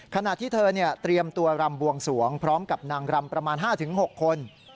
ขณะที่เธอเตรียมตัวรำบวงสวงพร้อมกับนางรำประมาณ๕๖คน